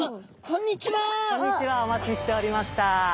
こんにちはお待ちしておりました。